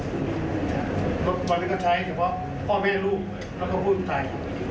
รถบรรยากาศใช้เฉพาะพ่อเฟ่ยรูปแล้วก็พูดถ่าย